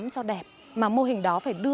có phải không